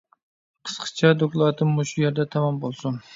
قىسقىچە دوكلاتىم مۇشۇ يەردە تامام بولسۇن.